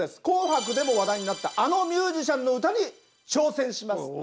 「紅白」でも話題になったあのミュージシャンの歌に挑戦します。